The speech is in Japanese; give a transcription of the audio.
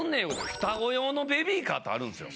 双子用のベビーカーってあるんですよ。